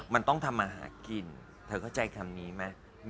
มันต้องทำอาหารกิจเธอก็ใจคำนี้ไหม